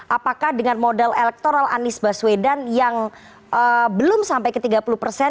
apakah dengan modal elektoral anies baswedan yang belum sampai ke tiga puluh persen